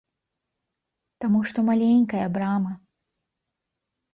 Таму што маленькая брама!